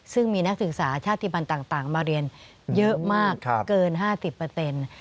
ซึ่งมีนักศึกษาชาติภัณฑ์ต่างมาเรียนเยอะมากเกิน๕๐